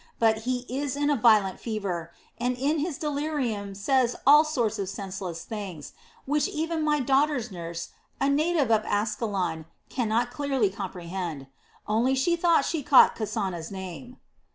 But he is in a violent fever, and in his delirium says all sorts of senseless things, which even my daughter's nurse, a native of Ascalon, cannot clearly comprehend. Only she thought she caught Kasana's name."